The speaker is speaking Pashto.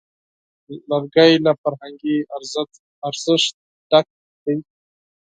لرګی له فرهنګي ارزښت ډک دی.